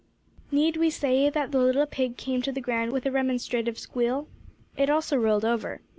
Need we say that the little pig came to the ground with a remonstrative squeal? It also rolled over.